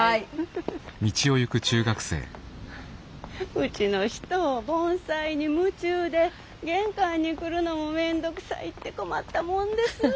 うちの人盆栽に夢中で玄関に来るのも面倒くさいって困ったもんです。